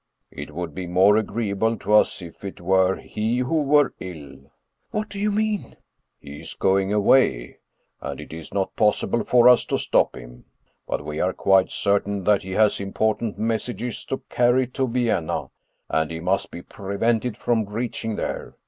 " It would be more agreeable to us if it were he who were ill." "What do you mean?" " He is going away, and it is not possible for us to stop him. But we are quite certain that he has important mes sages to carry to Vienna, and he must be prevented from reaching there.